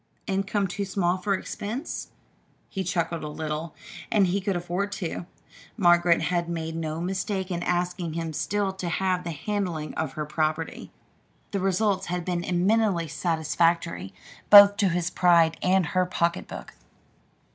Income too small for expenses?" He chuckled a little, and he could afford to. Margaret had made no mistake in asking him still to have the handling of her property. The results had been eminently satisfactory both to his pride and her pocketbook.